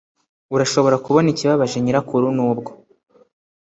Urashobora kubona ikibabaje nyirakuru nubwo